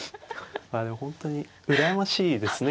でも本当に羨ましいですね。